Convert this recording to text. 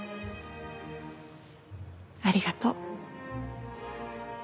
ありがとう。